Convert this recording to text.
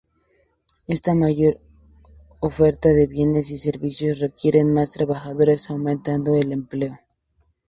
Esta mayor oferta de bienes y servicios requiere más trabajadores, aumentando el empleo.